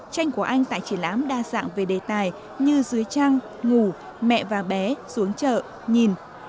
tranh của anh tại triển lãm đa dạng về đề tài như dưới trang ngủ mẹ và bé xuống chợ nhìn